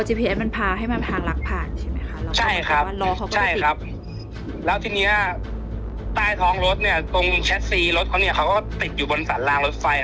ใช่ครับแล้วทีนี้ต้ายท้องรถตรงแชทซีรถเขาติดอยู่บนศาลลางรถไฟ